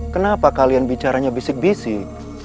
kenapa kalian bicaranya bisik bisik